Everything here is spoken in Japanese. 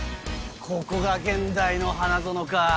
ここが現代の花園か。